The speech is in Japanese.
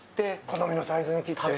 好みのサイズに切って。